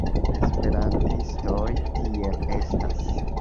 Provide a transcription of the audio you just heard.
Esperantistoj tiel estas.